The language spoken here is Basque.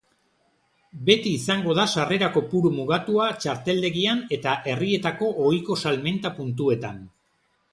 Beti izango da sarrera kopuru mugatua txarteltegian eta herrietako ohiko salmenta puntuetan.